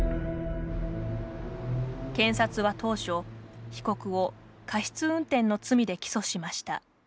検察は当初被告を過失運転の罪で起訴しました。